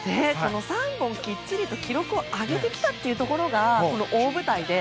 ３本きっちりと記録を上げてきたというところがこの大舞台で。